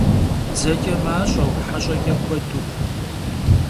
Dzeç'e maş'eu, heş'eç'e kuedu.